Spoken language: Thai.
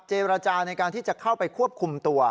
เจรจาในการที่จะเข้าไปควบคุมตัว